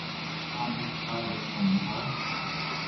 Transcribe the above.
-Առանց ինձ չայ էլ ես խմում, հա՞…